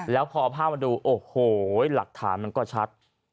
แล้วพอเอาภาพมาดูโอ้โหหลักฐานมันก็ชัด